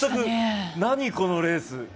ないこのレース！